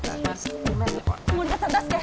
森田さん出して。